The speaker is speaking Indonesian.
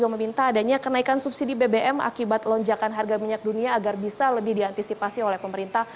meminta adanya kenaikan subsidi bbm akibat lonjakan harga minyak dunia agar bisa lebih diantisipasi oleh pemerintah